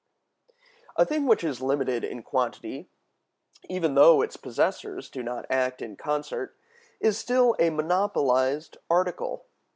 A thing which is limited in quantity, even though its possessors do not act in concert, is still a monopolized article.